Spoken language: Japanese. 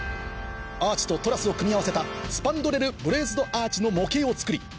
アーチとトラスを組み合わせたスパンドレルブレースドアーチの模型を作り